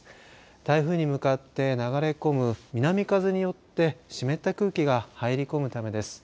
台風に向かって流れ込む南風によって湿った空気が入り込むためです。